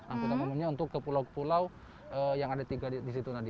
angkutan umumnya untuk ke pulau pulau yang ada tiga disitu tadi